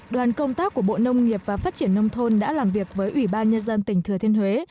đoàn công tác của bộ nông nghiệp và phát triển nông thôn đã làm việc với ủy ban nhân dân tỉnh thừa thiên huế